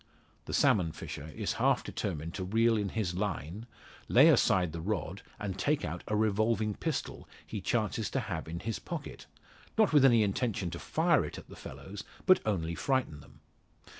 The salmon fisher is half determined to reel in his line, lay aside the rod, and take out a revolving pistol he chances to have in his pocket not with any intention to fire it at the fellows, but only frighten them.